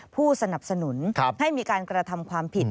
ผู้สนับสนุนให้มีการกระทำความผิด